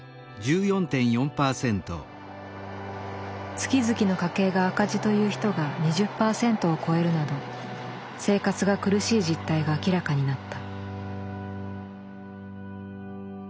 月々の家計が赤字という人が２０％を超えるなど生活が苦しい実態が明らかになった。